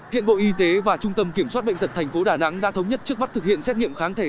hiện bộ y tế và trung tâm kiểm soát bệnh tật tp đà nẵng đã thống nhất trước mắt thực hiện xét nghiệm kháng thể